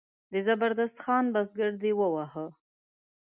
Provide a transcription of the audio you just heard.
د زبردست خان بزګر دی وواهه.